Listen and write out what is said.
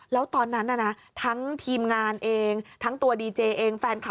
แล้วตอนนั้นน่ะนะทั้งทีมงานเองทั้งตัวดีเจเองแฟนคลับ